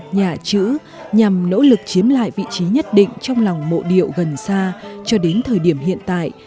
nhả chữ nhằm nỗ lực chiếm lại vị trí nhất định trong lòng mộ điệu gần xa cho đến thời điểm hiện tại